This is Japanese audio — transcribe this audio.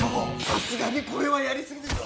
さすがにこれはやり過ぎです。